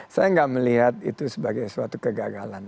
saya nggak melihat itu sebagai suatu kegagalan